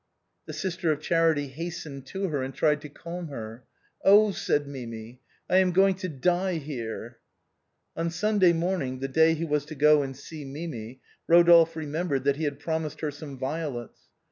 The sister of charity hastened to her and tried to calm her. " Oh !" said Mimi, " I am going to die here." On Sunday morning, the day he was to go and see Mimi, Eodolphe remembered that he had promised her some violets.